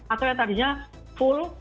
atau yang tadinya full